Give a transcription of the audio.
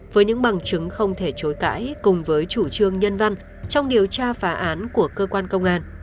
với những bằng chứng không thể chối cãi cùng với chủ trương nhân văn trong điều tra phá án của cơ quan công an